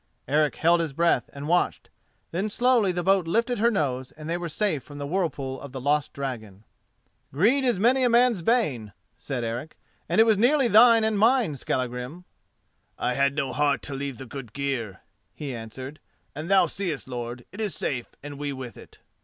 Eric held his breath and watched, then slowly the boat lifted her nose, and they were safe from the whirlpool of the lost dragon. "Greed is many a man's bane," said Eric, "and it was nearly thine and mine, Skallagrim." "I had no heart to leave the good gear," he answered; "and thou seest, lord, it is safe and we with it."